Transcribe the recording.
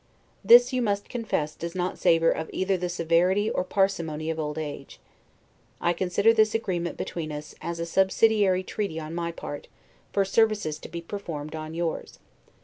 This, you must confess, does not savor of either the severity or parsimony of old age. I consider this agreement between us, as a subsidiary treaty on my part, for services to be performed on yours.